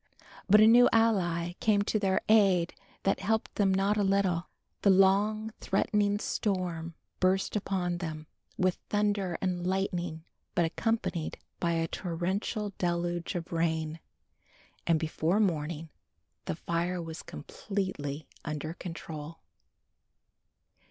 But a new ally came to their aid that helped them not a little. The long threatened storm burst upon them with thunder and lightning, but accompanied by a torrential deluge of rain; and before morning the fire was completely under control.